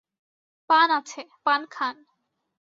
পান আছে, পান খান।